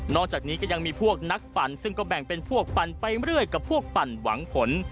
จากนี้ก็ยังมีพวกนักปั่นซึ่งก็แบ่งเป็นพวกปั่นไปเรื่อยกับพวกปั่นหวังผล